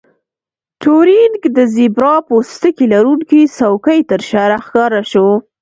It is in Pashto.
ټورینګ د زیبرا پوستکي لرونکې څوکۍ ترشا راښکاره شو